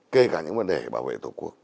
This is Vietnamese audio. kể cả những vấn đề bảo vệ tổ quốc